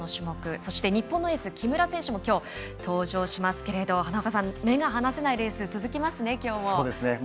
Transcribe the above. そして日本のエース木村選手も今日登場しますけど花岡さん、目が離せないレース続きますね今日も。